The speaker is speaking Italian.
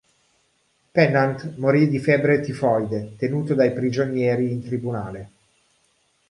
Pennant morì di febbre tifoide tenuto dai prigionieri in tribunale.